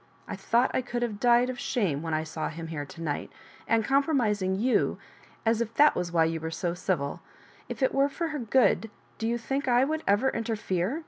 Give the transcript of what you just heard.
I thought I could have died of shame when I saw him here to night; and compromis ing you, as if that was why you were so civU. If it were for her good do you think / would ever interfere?"